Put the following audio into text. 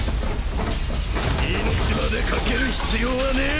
命まで懸ける必要はねえ！